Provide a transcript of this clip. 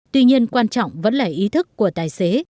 tuy nhiên quan trọng vẫn là ý thức của tài xế